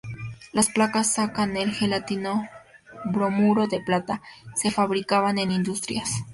Las placas secas "al gelatino-bromuro de plata" se fabricaban en industrias.